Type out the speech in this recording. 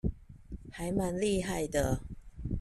還蠻厲害的